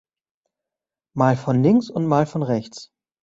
Mal von links und mal von rechts.